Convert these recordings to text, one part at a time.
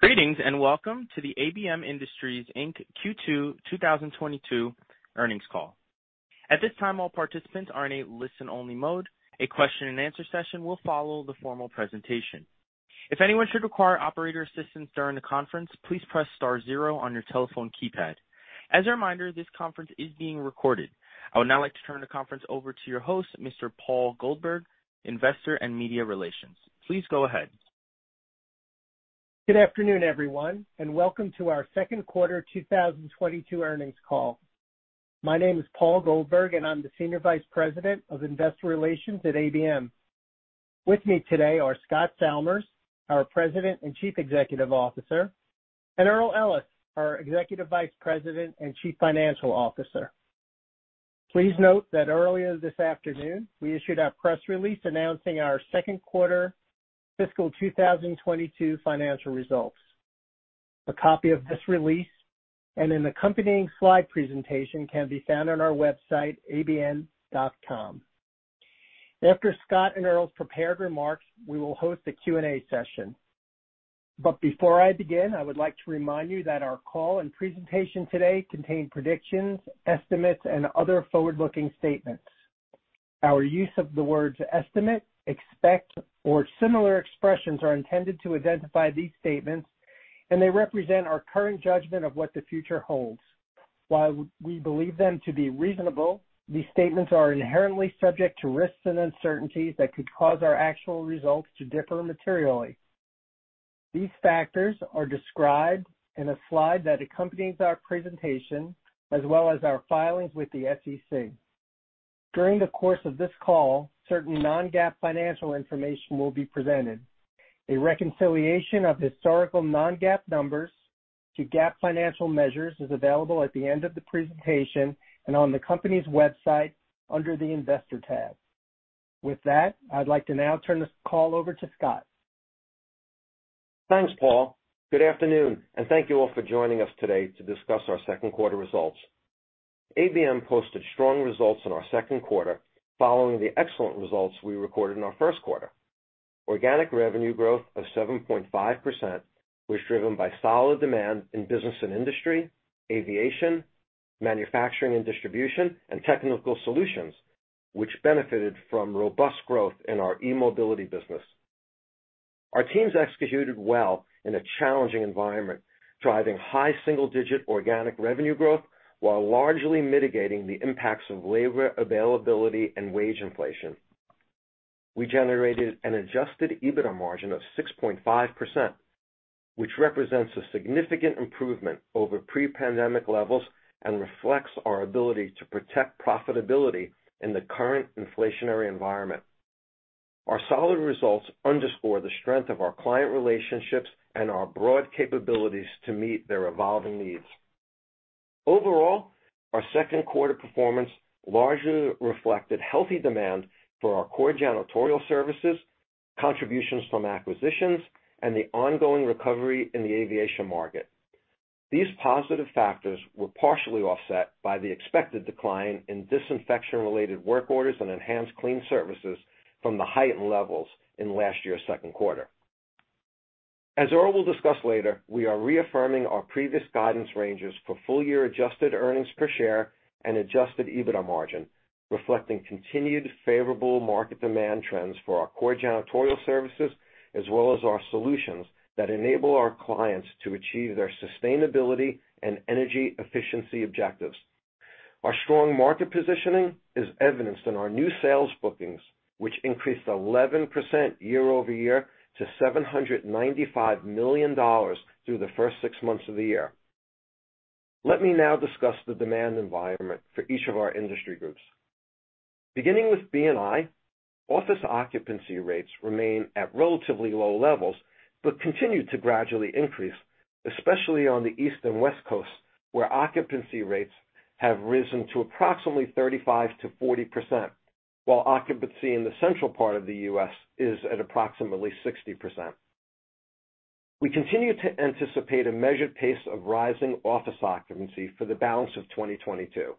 Greetings, and welcome to the ABM Industries Inc Q2 2022 earnings call. At this time, all participants are in a listen-only mode. A question-and-answer session will follow the formal presentation. If anyone should require operator assistance during the conference, please press star zero on your telephone keypad. As a reminder, this conference is being recorded. I would now like to turn the conference over to your host, Mr. Paul Goldberg, Investor and Media Relations. Please go ahead. Good afternoon, everyone, and welcome to our second quarter 2022 earnings call. My name is Paul Goldberg, and I'm the Senior Vice President of Investor Relations at ABM. With me today are Scott Salmirs, our President and Chief Executive Officer, and Earl Ellis, our Executive Vice President and Chief Financial Officer. Please note that earlier this afternoon, we issued our press release announcing our second quarter fiscal 2022 financial results. A copy of this release and an accompanying slide presentation can be found on our website, abm.com. After Scott and Earl's prepared remarks, we will host a Q&A session. Before I begin, I would like to remind you that our call and presentation today contain predictions, estimates, and other forward-looking statements. Our use of the words estimate, expect, or similar expressions are intended to identify these statements, and they represent our current judgment of what the future holds. While we believe them to be reasonable, these statements are inherently subject to risks and uncertainties that could cause our actual results to differ materially. These factors are described in a slide that accompanies our presentation, as well as our filings with the SEC. During the course of this call, certain non-GAAP financial information will be presented. A reconciliation of historical non-GAAP numbers to GAAP financial measures is available at the end of the presentation and on the company's website under the investor tab. With that, I'd like to now turn this call over to Scott. Thanks, Paul. Good afternoon, and thank you all for joining us today to discuss our second quarter results. ABM posted strong results in our second quarter following the excellent results we recorded in our first quarter. Organic revenue growth of 7.5% was driven by solid demand in Business & Industry, Aviation, Manufacturing & Distribution, and Technical Solutions, which benefited from robust growth in our eMobility business. Our teams executed well in a challenging environment, driving high single-digit organic revenue growth while largely mitigating the impacts of labor availability and wage inflation. We generated an adjusted EBITDA margin of 6.5%, which represents a significant improvement over pre-pandemic levels and reflects our ability to protect profitability in the current inflationary environment. Our solid results underscore the strength of our client relationships and our broad capabilities to meet their evolving needs. Overall, our second quarter performance largely reflected healthy demand for our core janitorial services, contributions from acquisitions, and the ongoing recovery in the Aviation market. These positive factors were partially offset by the expected decline in disinfection-related work orders and EnhancedClean services from the heightened levels in last year's second quarter. As Earl will discuss later, we are reaffirming our previous guidance ranges for full-year adjusted earnings per share and adjusted EBITDA margin, reflecting continued favorable market demand trends for our core janitorial services, as well as our solutions that enable our clients to achieve their sustainability and energy efficiency objectives. Our strong market positioning is evidenced in our new sales bookings, which increased 11% year-over-year to $795 million through the first six months of the year. Let me now discuss the demand environment for each of our industry groups. Beginning with B&I, office occupancy rates remain at relatively low levels, but continue to gradually increase, especially on the East and West Coasts, where occupancy rates have risen to approximately 35%-40%, while occupancy in the central part of the U.S. is at approximately 60%. We continue to anticipate a measured pace of rising office occupancy for the balance of 2022.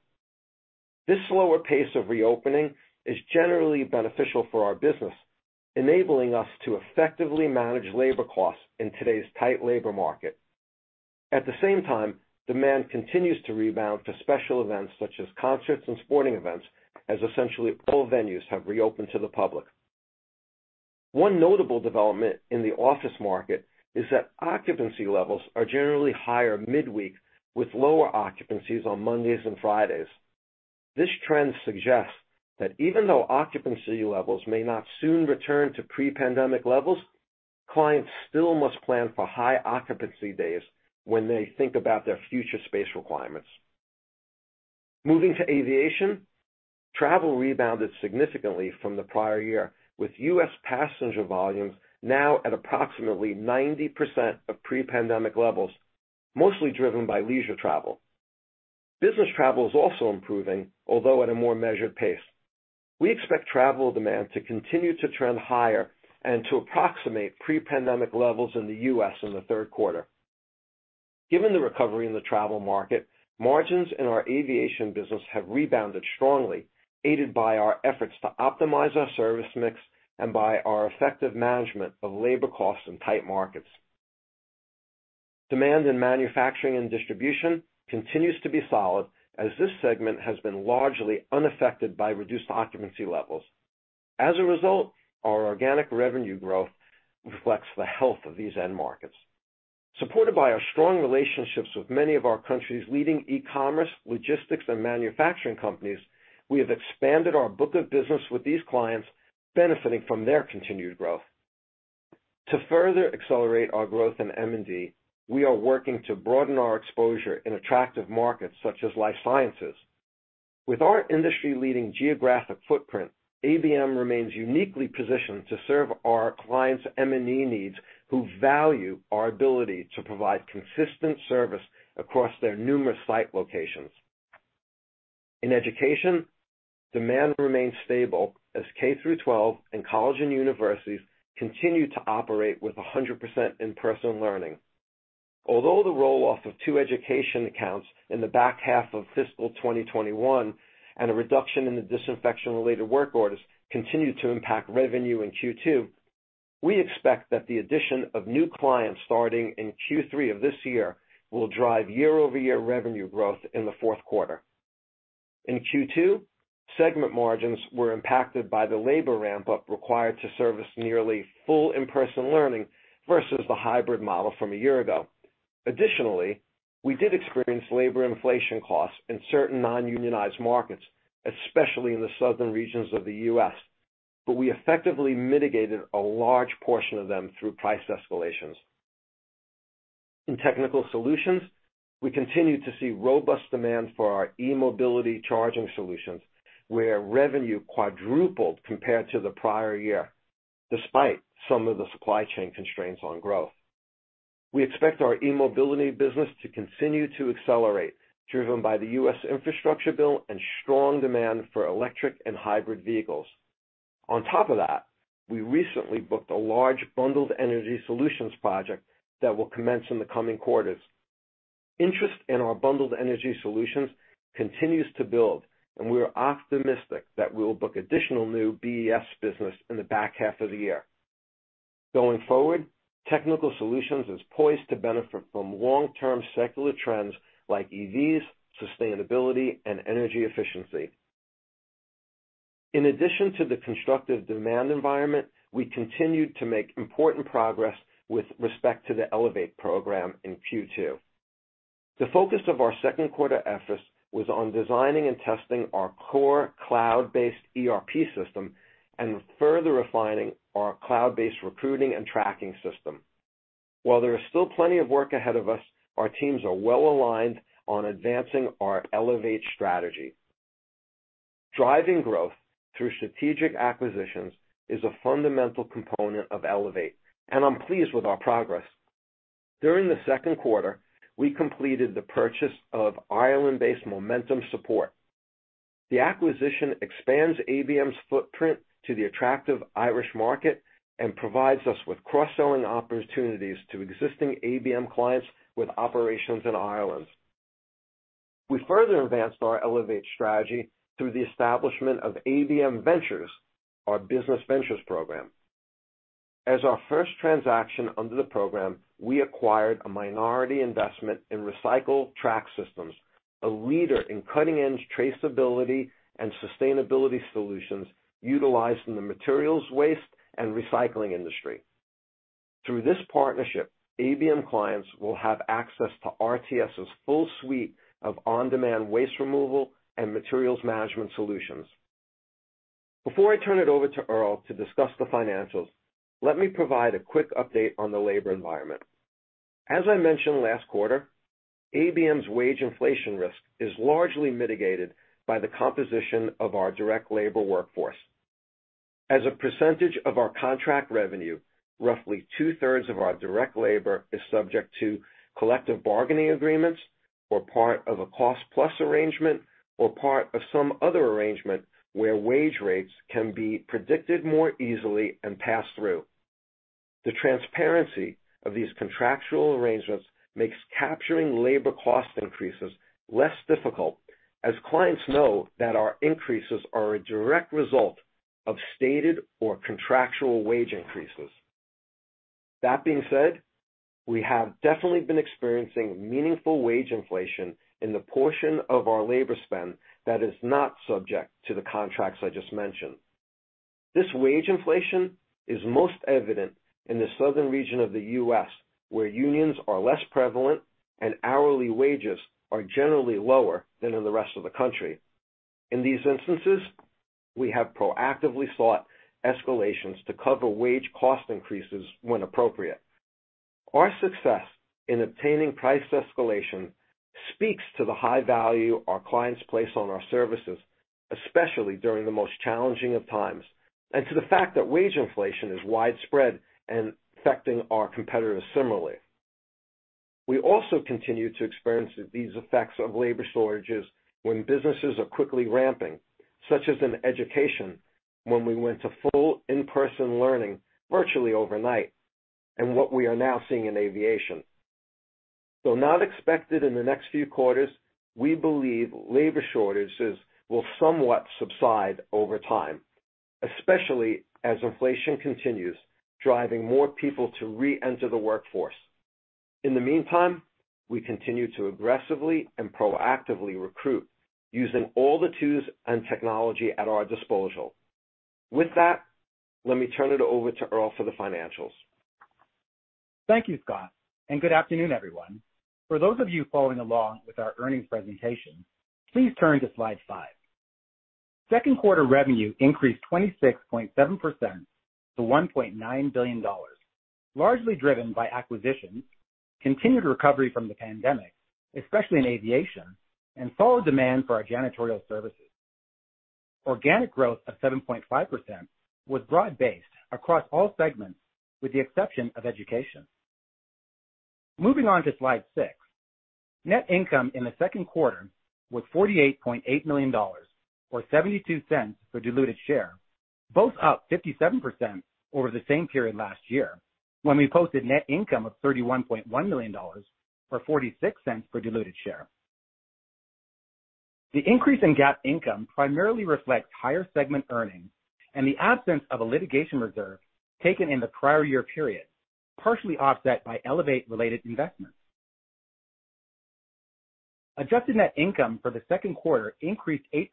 This slower pace of reopening is generally beneficial for our business, enabling us to effectively manage labor costs in today's tight labor market. At the same time, demand continues to rebound for special events such as concerts and sporting events, as essentially all venues have reopened to the public. One notable development in the office market is that occupancy levels are generally higher midweek, with lower occupancies on Mondays and Fridays. This trend suggests that even though occupancy levels may not soon return to pre-pandemic levels, clients still must plan for high occupancy days when they think about their future space requirements. Moving to Aviation, travel rebounded significantly from the prior year, with U.S. passenger volumes now at approximately 90% of pre-pandemic levels, mostly driven by leisure travel. Business travel is also improving, although at a more measured pace. We expect travel demand to continue to trend higher and to approximate pre-pandemic levels in the U.S. in the third quarter. Given the recovery in the travel market, margins in our Aviation business have rebounded strongly, aided by our efforts to optimize our service mix and by our effective management of labor costs in tight markets. Demand in Manufacturing & Distribution continues to be solid as this segment has been largely unaffected by reduced occupancy levels. As a result, our organic revenue growth reflects the health of these end markets. Supported by our strong relationships with many of our country's leading e-commerce, logistics, and manufacturing companies, we have expanded our book of business with these clients benefiting from their continued growth. To further accelerate our growth in M&D, we are working to broaden our exposure in attractive markets such as life sciences. With our industry-leading geographic footprint, ABM remains uniquely positioned to serve our clients' M&E needs, who value our ability to provide consistent service across their numerous site locations. In Education, demand remains stable as K-12 and colleges and universities continue to operate with 100% in-person learning. Although the roll-off of two Education accounts in the back half of fiscal 2021, and a reduction in the disinfection-related work orders continued to impact revenue in Q2, we expect that the addition of new clients starting in Q3 of this year will drive year-over-year revenue growth in the fourth quarter. In Q2, segment margins were impacted by the labor ramp-up required to service nearly full in-person learning versus the hybrid model from a year ago. Additionally, we did experience labor inflation costs in certain non-unionized markets, especially in the southern regions of the U.S. We effectively mitigated a large portion of them through price escalations. In Technical Solutions, we continue to see robust demand for our eMobility charging solutions, where revenue quadrupled compared to the prior year, despite some of the supply chain constraints on growth. We expect our eMobility business to continue to accelerate, driven by the U.S. infrastructure bill and strong demand for electric and hybrid vehicles. On top of that, we recently booked a large Bundled Energy Solutions project that will commence in the coming quarters. Interest in our Bundled Energy Solutions continues to build, and we are optimistic that we'll book additional new BES business in the back half of the year. Going forward, Technical Solutions is poised to benefit from long-term secular trends like EVs, sustainability, and energy efficiency. In addition to the constructive demand environment, we continued to make important progress with respect to the ELEVATE program in Q2. The focus of our second quarter efforts was on designing and testing our core cloud-based ERP system and further refining our cloud-based recruiting and tracking system. While there is still plenty of work ahead of us, our teams are well-aligned on advancing our ELEVATE strategy. Driving growth through strategic acquisitions is a fundamental component of ELEVATE, and I'm pleased with our progress. During the second quarter, we completed the purchase of Ireland-based Momentum Support. The acquisition expands ABM's footprint to the attractive Irish market and provides us with cross-selling opportunities to existing ABM clients with operations in Ireland. We further advanced our ELEVATE strategy through the establishment of ABM Ventures, our business ventures program. As our first transaction under the program, we acquired a minority investment in Recycle Track Systems, a leader in cutting-edge traceability and sustainability solutions utilized in the materials waste and recycling industry. Through this partnership, ABM clients will have access to RTS's full suite of on-demand waste removal and materials management solutions. Before I turn it over to Earl to discuss the financials, let me provide a quick update on the labor environment. As I mentioned last quarter, ABM's wage inflation risk is largely mitigated by the composition of our direct labor workforce. As a percentage of our contract revenue, roughly two-thirds of our direct labor is subject to collective bargaining agreements or part of a cost-plus arrangement or part of some other arrangement where wage rates can be predicted more easily and passed through. The transparency of these contractual arrangements makes capturing labor cost increases less difficult, as clients know that our increases are a direct result of stated or contractual wage increases. That being said, we have definitely been experiencing meaningful wage inflation in the portion of our labor spend that is not subject to the contracts I just mentioned. This wage inflation is most evident in the southern region of the U.S., where unions are less prevalent and hourly wages are generally lower than in the rest of the country. In these instances, we have proactively sought escalations to cover wage cost increases when appropriate. Our success in obtaining price escalation speaks to the high value our clients place on our services, especially during the most challenging of times, and to the fact that wage inflation is widespread and affecting our competitors similarly. We also continue to experience these effects of labor shortages when businesses are quickly ramping, such as in Education. When we went to full in-person learning virtually overnight, and what we are now seeing in Aviation. Though not expected in the next few quarters, we believe labor shortages will somewhat subside over time, especially as inflation continues, driving more people to re-enter the workforce. In the meantime, we continue to aggressively and proactively recruit using all the tools and technology at our disposal. With that, let me turn it over to Earl for the financials. Thank you, Scott, and good afternoon, everyone. For those of you following along with our earnings presentation, please turn to slide five. Second quarter revenue increased 26.7% to $1.9 billion, largely driven by acquisitions, continued recovery from the pandemic, especially in Aviation, and solid demand for our janitorial services. Organic growth of 7.5% was broad-based across all segments, with the exception of Education. Moving on to slide six. Net income in the second quarter was $48.8 million or $0.72 per diluted share, both up 57% over the same period last year when we posted net income of $31.1 million or $0.46 per diluted share. The increase in GAAP income primarily reflects higher segment earnings and the absence of a litigation reserve taken in the prior year period, partially offset by ELEVATE-related investments. Adjusted net income for the second quarter increased 8%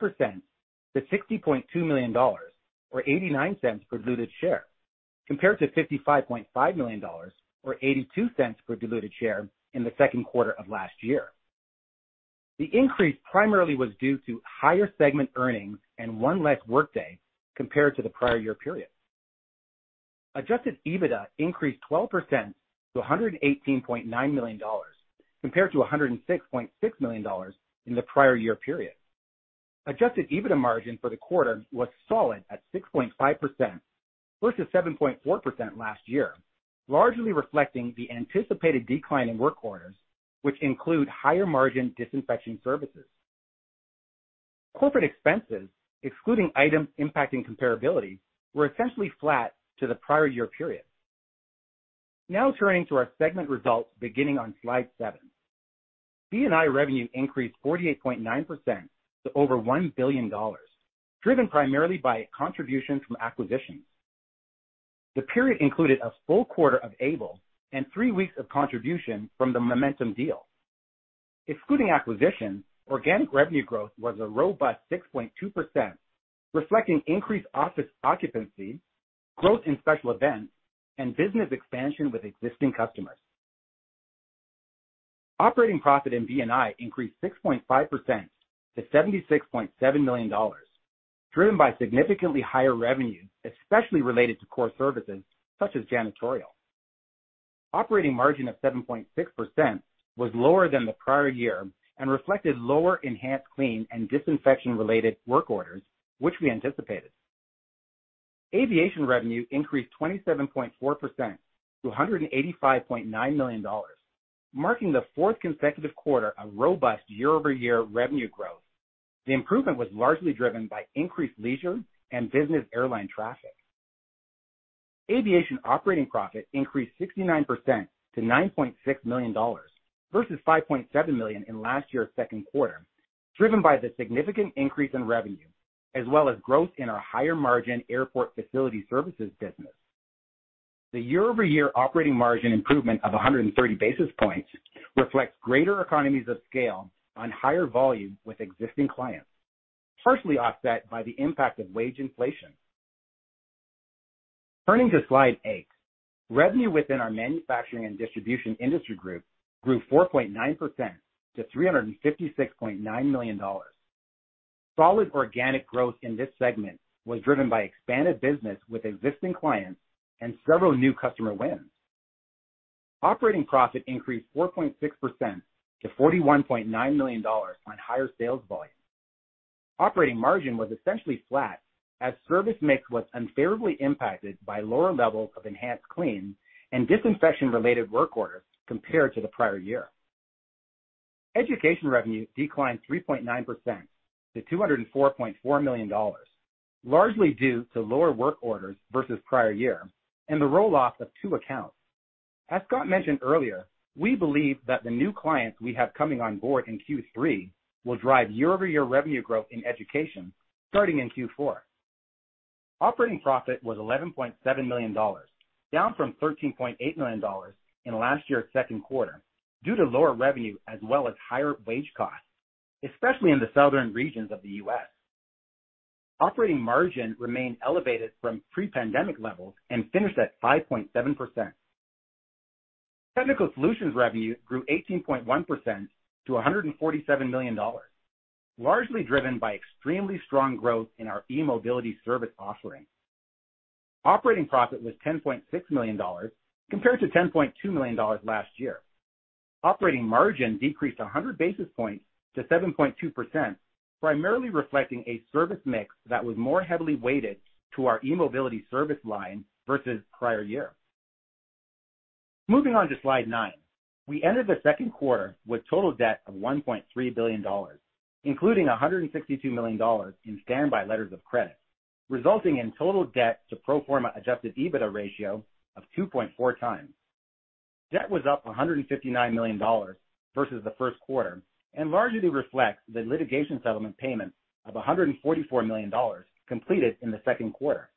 to $60.2 million or $0.89 per diluted share, compared to $55.5 million or $0.82 per diluted share in the second quarter of last year. The increase primarily was due to higher segment earnings and one less workday compared to the prior year period. Adjusted EBITDA increased 12% to $118.9 million, compared to $106.6 million in the prior year period. Adjusted EBITDA margin for the quarter was solid at 6.5% versus 7.4% last year, largely reflecting the anticipated decline in work orders, which include higher margin disinfection services. Corporate expenses, excluding items impacting comparability, were essentially flat to the prior year period. Now turning to our segment results beginning on slide seven. B&I revenue increased 48.9% to over $1 billion, driven primarily by contributions from acquisitions. The period included a full quarter of Able and three weeks of contribution from the Momentum deal. Excluding acquisitions, organic revenue growth was a robust 6.2%, reflecting increased office occupancy, growth in special events, and business expansion with existing customers. Operating profit in B&I increased 6.5% to $76.7 million, driven by significantly higher revenue, especially related to core services such as janitorial. Operating margin of 7.6% was lower than the prior year and reflected lower EnhancedClean and disinfection-related work orders, which we anticipated. Aviation revenue increased 27.4% to $185.9 million, marking the fourth consecutive quarter of robust year-over-year revenue growth. The improvement was largely driven by increased leisure and business airline traffic. Aviation operating profit increased 69% to $9.6 million versus $5.7 million in last year's second quarter, driven by the significant increase in revenue as well as growth in our higher-margin airport facility services business. The year-over-year operating margin improvement of 130 basis points reflects greater economies of scale on higher volume with existing clients, partially offset by the impact of wage inflation. Turning to slide eight. Revenue within our Manufacturing & Distribution industry group grew 4.9% to $356.9 million. Solid organic growth in this segment was driven by expanded business with existing clients and several new customer wins. Operating profit increased 4.6% to $41.9 million on higher sales volume. Operating margin was essentially flat as service mix was unfavorably impacted by lower levels of EnhancedClean and disinfection-related work orders compared to the prior year. Education revenue declined 3.9% to $204.4 million, largely due to lower work orders versus prior year and the roll-off of two accounts. As Scott mentioned earlier, we believe that the new clients we have coming on board in Q3 will drive year-over-year revenue growth in Education starting in Q4. Operating profit was $11.7 million, down from $13.8 million in last year's second quarter due to lower revenue as well as higher wage costs, especially in the southern regions of the U.S. Operating margin remained elevated from pre-pandemic levels and finished at 5.7%. Technical Solutions revenue grew 18.1% to $147 million, largely driven by extremely strong growth in our eMobility service offering. Operating profit was $10.6 million compared to $10.2 million last year. Operating margin decreased 100 basis points to 7.2%, primarily reflecting a service mix that was more heavily weighted to our eMobility service line versus prior year. Moving on to slide nine. We ended the second quarter with total debt of $1.3 billion, including $162 million in standby letters of credit, resulting in total debt to pro forma adjusted EBITDA ratio of 2.4x. Debt was up $159 million versus the first quarter, and largely reflects the litigation settlement payment of $144 million completed in the second quarter.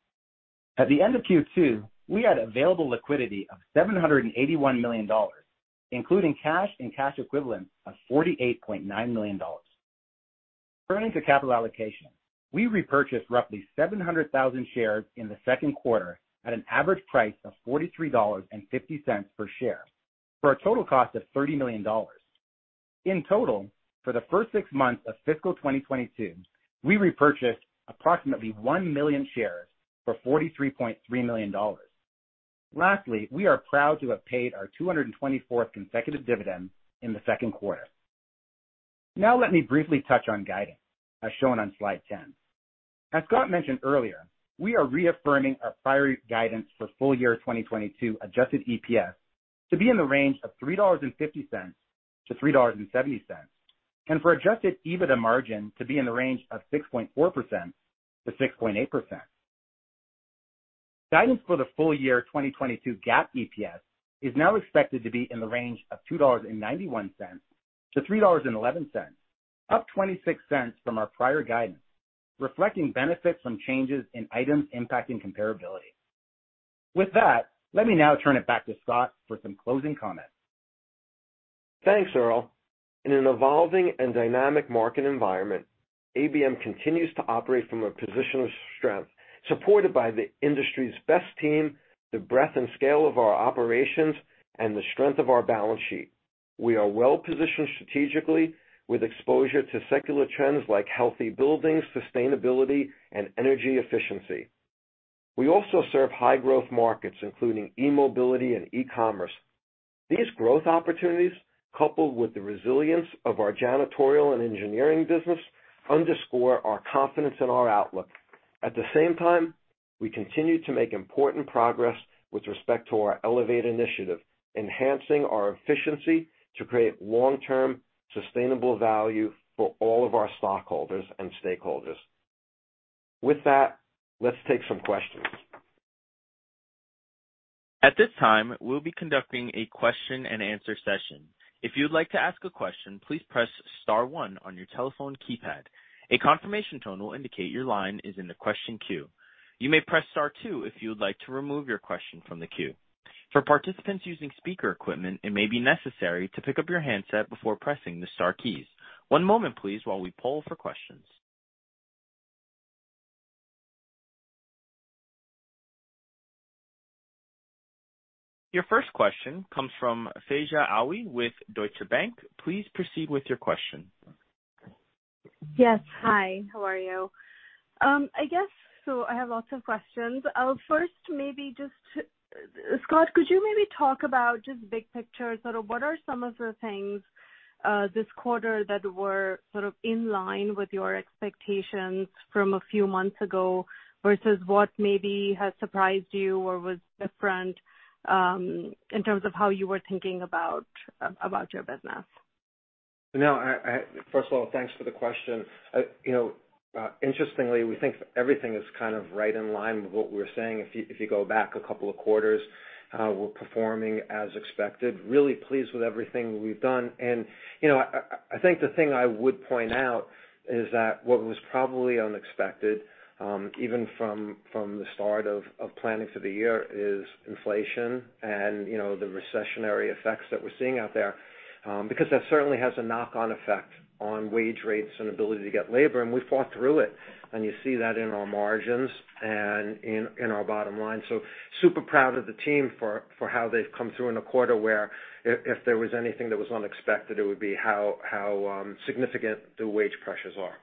At the end of Q2, we had available liquidity of $781 million, including cash and cash equivalents of $48.9 million. Turning to capital allocation, we repurchased roughly 700,000 shares in the second quarter at an average price of $43.50 per share for a total cost of $30 million. In total, for the first six months of fiscal 2022, we repurchased approximately 1 million shares for $43.3 million. Lastly, we are proud to have paid our 224th consecutive dividend in the second quarter. Now let me briefly touch on guidance, as shown on slide 10. As Scott mentioned earlier, we are reaffirming our prior guidance for full year 2022 adjusted EPS to be in the range of $3.50-$3.70, and for adjusted EBITDA margin to be in the range of 6.4%-6.8%. Guidance for the full year 2022 GAAP EPS is now expected to be in the range of $2.91-$3.11, up $0.26 from our prior guidance, reflecting benefits from changes in items impacting comparability. With that, let me now turn it back to Scott for some closing comments. Thanks, Earl. In an evolving and dynamic market environment, ABM continues to operate from a position of strength, supported by the industry's best team, the breadth and scale of our operations, and the strength of our balance sheet. We are well-positioned strategically with exposure to secular trends like healthy buildings, sustainability, and energy efficiency. We also serve high growth markets, including eMobility and e-commerce. These growth opportunities, coupled with the resilience of our janitorial and engineering business, underscore our confidence in our outlook. At the same time, we continue to make important progress with respect to our ELEVATE initiative, enhancing our efficiency to create long-term sustainable value for all of our stockholders and stakeholders. With that, let's take some questions. At this time, we'll be conducting a question-and-answer session. If you'd like to ask a question, please press star one on your telephone keypad. A confirmation tone will indicate your line is in the question queue. You may press star two if you would like to remove your question from the queue. For participants using speaker equipment, it may be necessary to pick up your handset before pressing the star keys. One moment please while we poll for questions. Your first question comes from Faiza Alwy with Deutsche Bank. Please proceed with your question. Yes. Hi, how are you? I have lots of questions. Scott, could you maybe talk about just big picture, sort of what are some of the things this quarter that were sort of in line with your expectations from a few months ago versus what maybe has surprised you or was different in terms of how you were thinking about your business? No. First of all, thanks for the question. You know, interestingly, we think everything is kind of right in line with what we were saying if you go back a couple of quarters. We're performing as expected, really pleased with everything we've done. You know, I think the thing I would point out is that what was probably unexpected, even from the start of planning for the year is inflation and, you know, the recessionary effects that we're seeing out there, because that certainly has a knock-on effect on wage rates and ability to get labor, and we fought through it. You see that in our margins and in our bottom line. Super proud of the team for how they've come through in a quarter where if there was anything that was unexpected, it would be how significant the wage pressures are.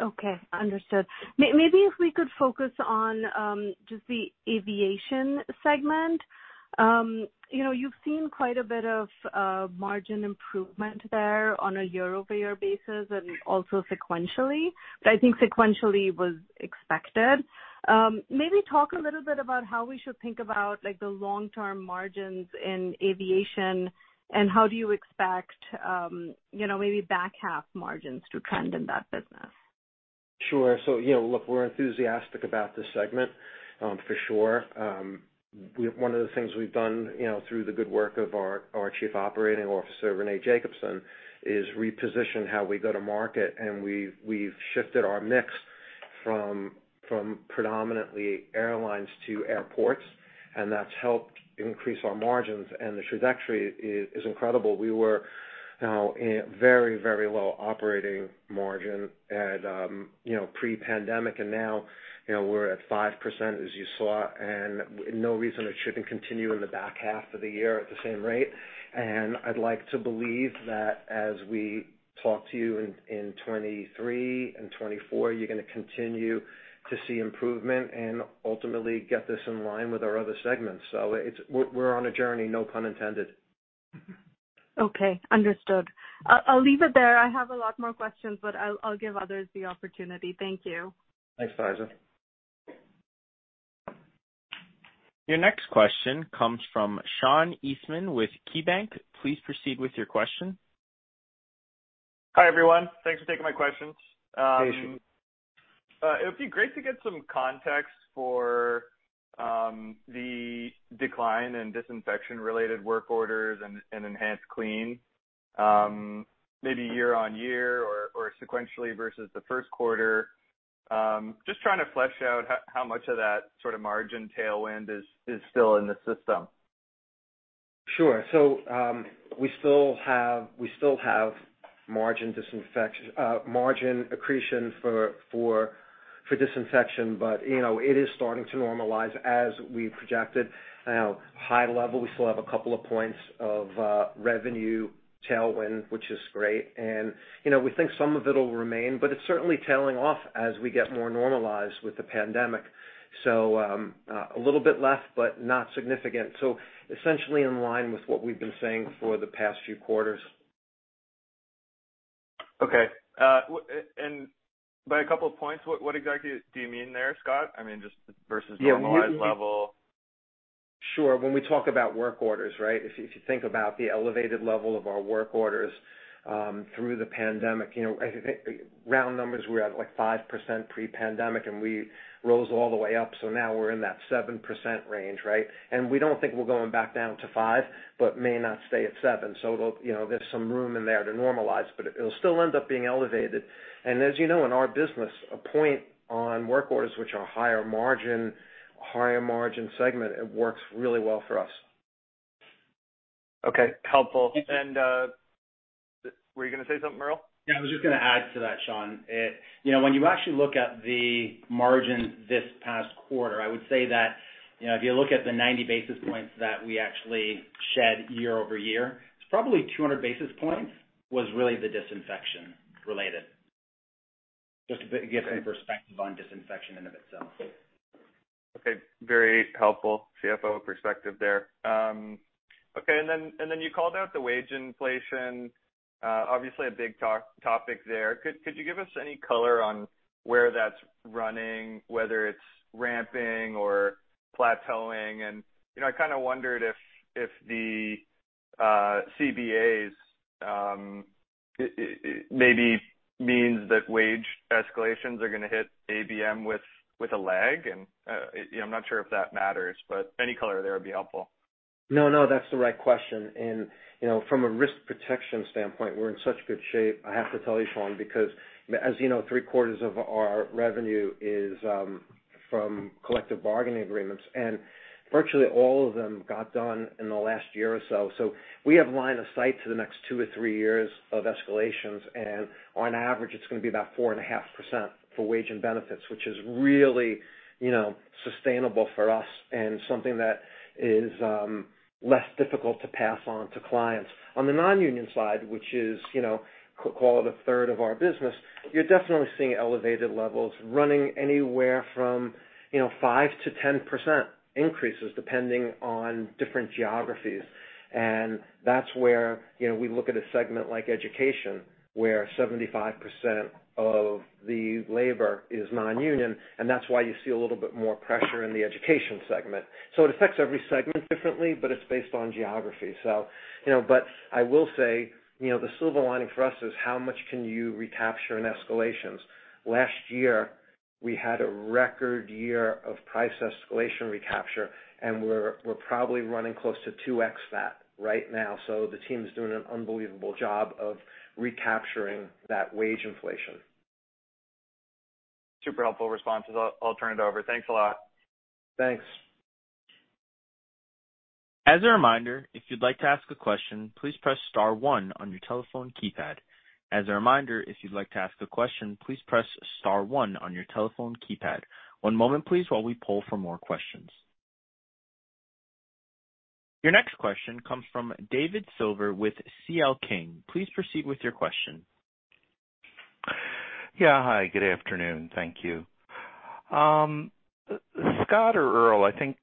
Okay, understood. Maybe if we could focus on just the Aviation segment. You know, you've seen quite a bit of margin improvement there on a year-over-year basis and also sequentially, but I think sequentially was expected. Maybe talk a little bit about how we should think about like the long-term margins in Aviation and how do you expect you know, maybe back half margins to trend in that business. Sure. You know, look, we're enthusiastic about this segment, for sure. One of the things we've done, you know, through the good work of our Chief Operating Officer, Rene Jacobsen, is reposition how we go to market, and we've shifted our mix from predominantly airlines to airports, and that's helped increase our margins. The trajectory is incredible. We were in a very low operating margin at, you know, pre-pandemic, and now, you know, we're at 5%, as you saw, and no reason it shouldn't continue in the back half of the year at the same rate. I'd like to believe that as we talk to you in 2023 and 2024, you're gonna continue to see improvement and ultimately get this in line with our other segments. We're on a journey, no pun intended. Okay. Understood. I'll leave it there. I have a lot more questions, but I'll give others the opportunity. Thank you. Thanks, Faiza. Your next question comes from Sean Eastman with KeyBanc. Please proceed with your question. Hi, everyone. Thanks for taking my questions. Hey, Sean. It would be great to get some context for the decline in disinfection-related work orders and EnhancedClean, maybe year-over-year or sequentially versus the first quarter. Just trying to flesh out how much of that sort of margin tailwind is still in the system. Sure. So, we still have margin accretion for disinfection, but, you know, it is starting to normalize as we projected. Now, high level, we still have a couple of points of revenue tailwind, which is great. You know, we think some of it will remain, but it's certainly tailing off as we get more normalized with the pandemic. A little bit less, but not significant. Essentially in line with what we've been saying for the past few quarters. Okay. By a couple of points, what exactly do you mean there, Scott? I mean, just versus normalized level. Sure. When we talk about work orders, right? If you think about the elevated level of our work orders through the pandemic, you know, I think round numbers, we're at, like, 5% pre-pandemic, and we rose all the way up. Now we're in that 7% range, right? We don't think we're going back down to 5%, but may not stay at 7%. It'll, you know, there's some room in there to normalize, but it'll still end up being elevated. As you know, in our business, a point on work orders which are higher margin, a higher margin segment, it works really well for us. Okay. Helpful. Were you gonna say something, Earl? Yeah, I was just gonna add to that, Sean. You know, when you actually look at the margin this past quarter, I would say that, you know, if you look at the 90 basis points that we actually shed year-over-year, it's probably 200 basis points was really the disinfection related. Just to give some perspective on disinfection in and of itself. Okay. Very helpful CFO perspective there. Okay. You called out the wage inflation. Obviously a big topic there. Could you give us any color on where that's running, whether it's ramping or plateauing? You know, I kind of wondered if the CBAs, it maybe means that wage escalations are gonna hit ABM with a lag. You know, I'm not sure if that matters, but any color there would be helpful. No, no, that's the right question. You know, from a risk protection standpoint, we're in such good shape, I have to tell you, Sean, because as you know, 3/4 of our revenue is from collective bargaining agreements, and virtually all of them got done in the last year or so. We have line of sight to the next 2 or 3 years of escalations. On average, it's gonna be about 4.5% for wage and benefits, which is really, you know, sustainable for us and something that is less difficult to pass on to clients. On the non-union side, which is, you know, call it 1/3 of our business, you're definitely seeing elevated levels running anywhere from, you know, 5%-10% increases depending on different geographies. That's where, you know, we look at a segment like Education, where 75% of the labor is non-union, and that's why you see a little bit more pressure in the Education segment. It affects every segment differently, but it's based on geography. You know, the silver lining for us is how much can you recapture in escalations. Last year, we had a record year of price escalation recapture, and we're probably running close to 2x that right now. The team's doing an unbelievable job of recapturing that wage inflation. Super helpful responses. I'll turn it over. Thanks a lot. Thanks. As a reminder, if you'd like to ask a question, please press star one on your telephone keypad. As a reminder, if you'd like to ask a question, please press star one on your telephone keypad. One moment please while we poll for more questions. Your next question comes from David Silver with C.L. King. Please proceed with your question. Yeah. Hi, good afternoon. Thank you. Scott or Earl, I think,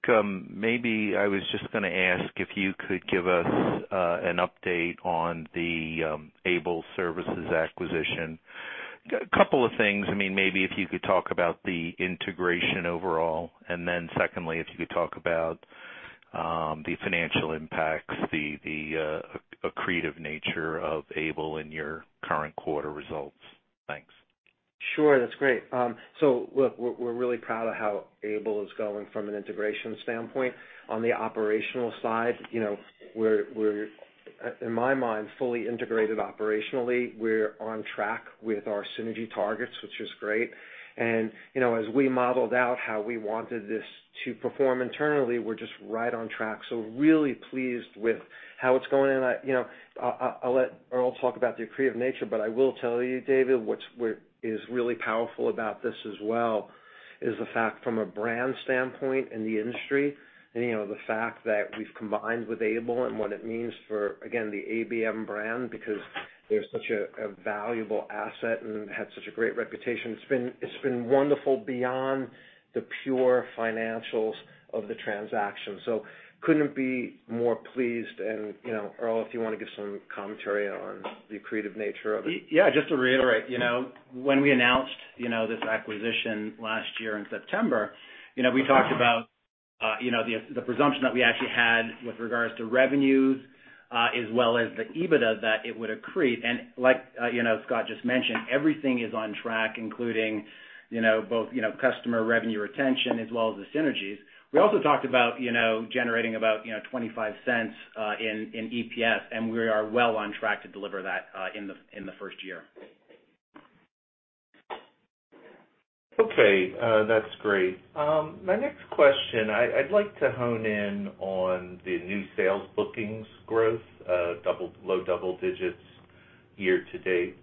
maybe I was just gonna ask if you could give us an update on the Able Services acquisition. Couple of things. I mean, maybe if you could talk about the integration overall, and then secondly, if you could talk about the financial impacts, the accretive nature of Able in your current quarter results. Thanks. Sure. That's great. So look, we're really proud of how Able is going from an integration standpoint. On the operational side, you know, we're in my mind, fully integrated operationally. We're on track with our synergy targets, which is great. You know, as we modeled out how we wanted this to perform internally, we're just right on track. Really pleased with how it's going. You know, I'll let Earl talk about the accretive nature, but I will tell you, David, what is really powerful about this as well is the fact from a brand standpoint in the industry and, you know, the fact that we've combined with Able and what it means for, again, the ABM brand because they're such a valuable asset and had such a great reputation. It's been wonderful beyond the pure financials of the transaction. Couldn't be more pleased. You know, Earl, if you wanna give some commentary on the accretive nature of it. Yeah, just to reiterate, you know, when we announced, you know, this acquisition last year in September, you know, we talked about. You know, the presumption that we actually had with regards to revenues, as well as the EBITDA that it would accrete. Like, you know, Scott just mentioned, everything is on track, including, you know, both, you know, customer revenue retention as well as the synergies. We also talked about, you know, generating about, you know, $0.25 in EPS, and we are well on track to deliver that in the first year. Okay. That's great. My next question, I'd like to hone in on the new sales bookings growth, low double digits year to date.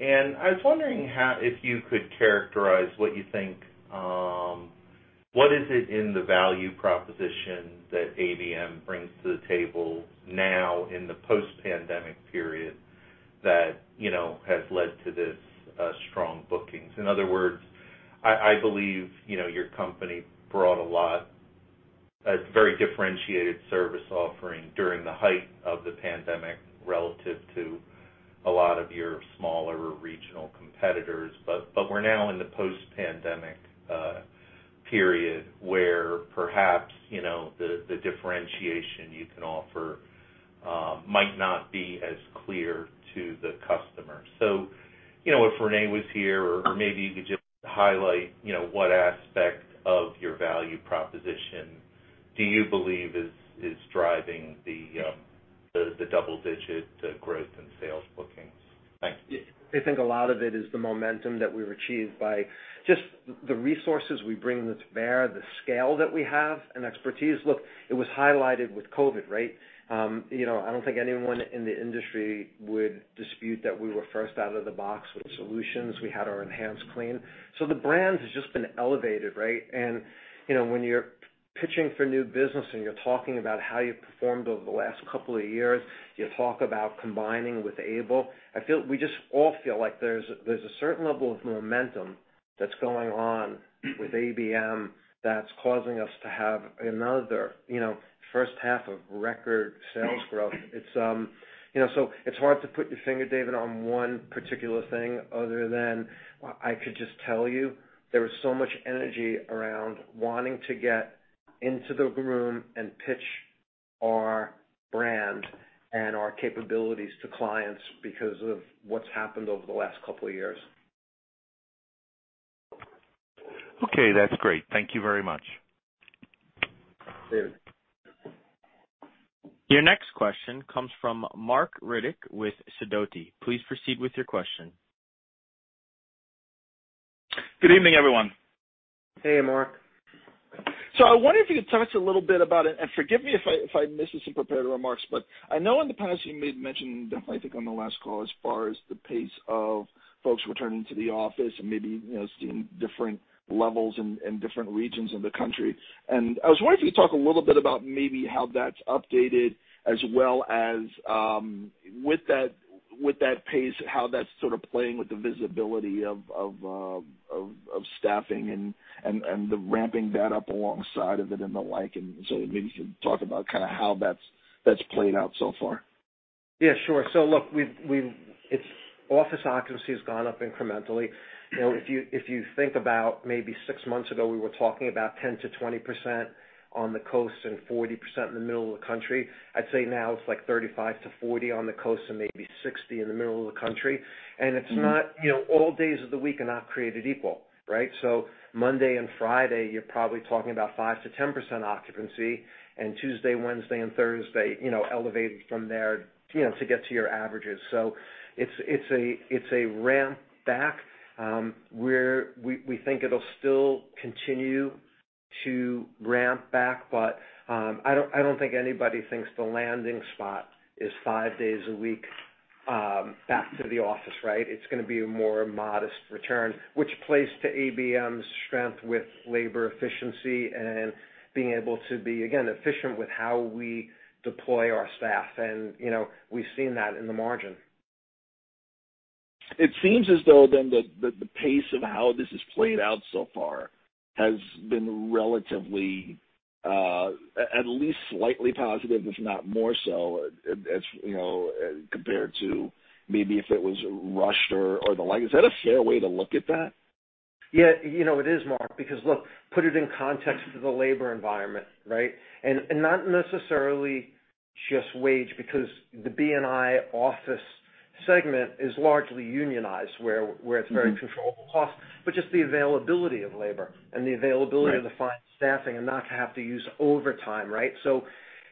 I was wondering if you could characterize what you think. What is it in the value proposition that ABM brings to the table now in the post-pandemic period that, you know, has led to this, strong bookings? In other words, I believe, you know, your company brought a lot, a very differentiated service offering during the height of the pandemic relative to a lot of your smaller regional competitors. But we're now in the post-pandemic period, where perhaps, you know, the differentiation you can offer might not be as clear to the customer. You know, if René was here, or maybe you could just highlight, you know, what aspect of your value proposition do you believe is driving the double-digit growth in sales bookings? Thanks. I think a lot of it is the momentum that we've achieved by just the resources we bring to bear, the scale that we have and expertise. Look, it was highlighted with COVID, right? You know, I don't think anyone in the industry would dispute that we were first out of the box with solutions. We had our EnhancedClean. The brand has just been elevated, right? You know, when you're pitching for new business and you're talking about how you performed over the last couple of years, you talk about combining with Able. I feel, we just all feel like there's a certain level of momentum that's going on with ABM that's causing us to have another first half of record sales growth. It's you know. It's hard to put your finger, David, on one particular thing other than I could just tell you there was so much energy around wanting to get into the room and pitch our brand and our capabilities to clients because of what's happened over the last couple of years. Okay. That's great. Thank you very much. David. Your next question comes from Marc Riddick with Sidoti. Please proceed with your question. Good evening, everyone. Hey, Marc. I wonder if you could touch a little bit about it, and forgive me if I missed this in prepared remarks, but I know in the past you made mention, definitely, I think on the last call, as far as the pace of folks returning to the office and maybe, you know, seeing different levels in different regions of the country. I was wondering if you could talk a little bit about maybe how that's updated as well as, with that pace, how that's sort of playing with the visibility of staffing and the ramping that up alongside of it and the like. Maybe you could talk about kind of how that's played out so far. Yeah, sure. Look, we've, it's office occupancy has gone up incrementally. You know, if you think about maybe six months ago, we were talking about 10%-20% on the coast and 40% in the middle of the country. I'd say now it's like 35%-40% on the coast and maybe 60% in the middle of the country. It's not, you know, all days of the week are not created equal, right? Monday and Friday, you're probably talking about 5%-10% occupancy. Tuesday, Wednesday and Thursday, you know, elevated from there, you know, to get to your averages. It's a ramp back, where we think it'll still continue to ramp back. I don't think anybody thinks the landing spot is five days a week back to the office, right? It's gonna be a more modest return, which plays to ABM's strength with labor efficiency and being able to be, again, efficient with how we deploy our staff. You know, we've seen that in the margin. It seems as though then that the pace of how this has played out so far has been relatively, at least slightly positive, if not more so as, you know, compared to maybe if it was rushed or the like. Is that a fair way to look at that? Yeah, you know it is, Mark, because look, put it in context of the labor environment, right? Not necessarily just wage, because the B&I office segment is largely unionized, where it's very controllable cost, but just the availability of labor and the availability. Right. Of the fine staffing and not have to use overtime, right?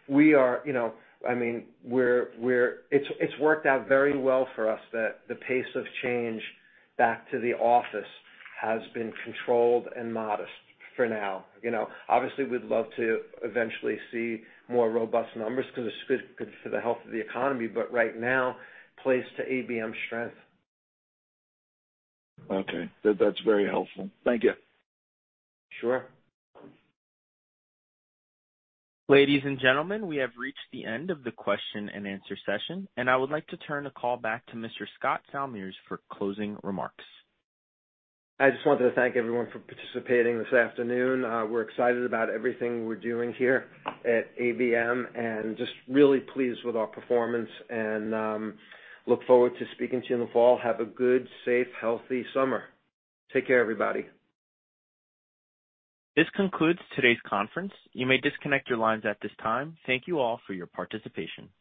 We are, you know, I mean, it's worked out very well for us that the pace of change back to the office has been controlled and modest for now. You know, obviously, we'd love to eventually see more robust numbers 'cause it's good for the health of the economy, but right now plays to ABM strength. Okay. That's very helpful. Thank you. Sure. Ladies and gentlemen, we have reached the end of the question-and-answer session, and I would like to turn the call back to Mr. Scott Salmirs for closing remarks. I just wanted to thank everyone for participating this afternoon. We're excited about everything we're doing here at ABM, and just really pleased with our performance and look forward to speaking to you in the fall. Have a good, safe, healthy summer. Take care, everybody. This concludes today's conference. You may disconnect your lines at this time. Thank you all for your participation.